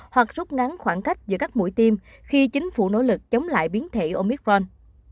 hoặc rút ngắn khoảng cách giữa các mũi tiêm khi chính phủ nỗ lực chống lại biến thể omicron